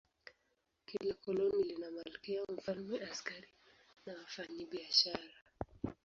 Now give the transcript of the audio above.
Kila koloni lina malkia, mfalme, askari na wafanyakazi.